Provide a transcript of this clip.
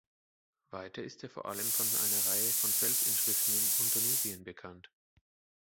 Weiter ist er vor allem von einer Reihe von Felsinschriften in Unternubien bekannt.